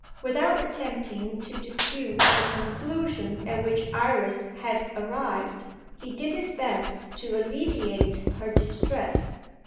Without attempting to dispute the conclusion at which Iris had arrived, he did his best to alleviate her distress.